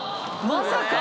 まさか。